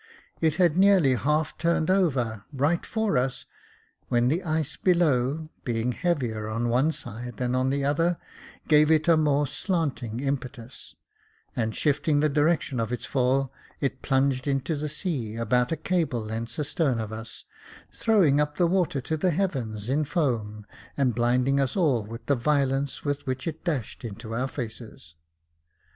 It had nearly half turned over, right for us, when the ice below, being heavier on one side than on the other, gave it a more slanting impetus, and shifting the direction of its fall, it plunged into the sea about a cable's length astern of us, throwing up the water to the heavens in foam, and blinding us all with the violence with which it dashed into our faces.